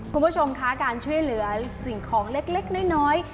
คุณผู้ชมคะการช่วยเหลือสิ่งของเล็กน้อย